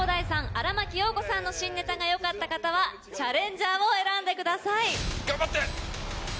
荒牧陽子さんの新ネタがよかった方はチャレンジャーを選んでください。頑張って！